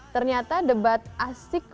ternyata debat asik